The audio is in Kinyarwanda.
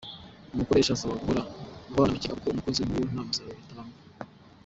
Umukoresha asabwa guhorana amakenga kuko umukozi nk’uwo nta musaruro atanga.